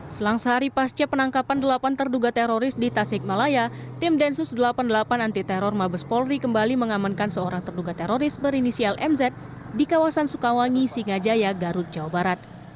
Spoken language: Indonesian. selang sehari pasca penangkapan delapan terduga teroris di tasikmalaya tim densus delapan puluh delapan anti teror mabes polri kembali mengamankan seorang terduga teroris berinisial mz di kawasan sukawangi singajaya garut jawa barat